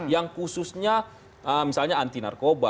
yang khususnya misalnya anti narkoba